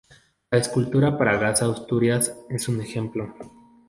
La escultura para Gas Asturias es un ejemplo.